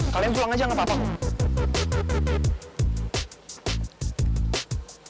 kalian duang aja gak apa apa gue